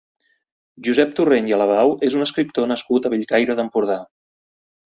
Josep Torrent i Alabau és un escriptor nascut a Bellcaire d'Empordà.